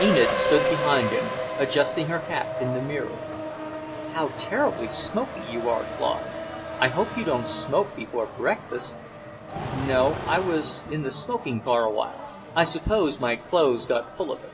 Enid stood behind him, adjusting her hat in the mirror. "How terribly smoky you are, Claude. I hope you don't smoke before breakfast?" "No. I was in the smoking car awhile. I suppose my clothes got full of it."